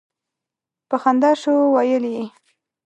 په خندا شو ویل یې.